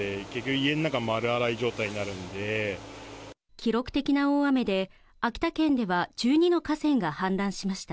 記録的な大雨で秋田県では１２の河川が氾濫しました。